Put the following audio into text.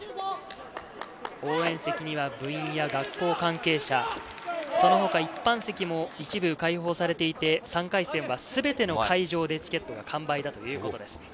応援席には部員や学校関係者、その他、一般席も一部開放されていて、３回戦は全ての会場でチケットは完売だということです。